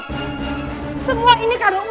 kamu tidak perlu menanyakan kabarku ratu kidul